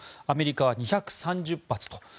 アメリカは２３０発と。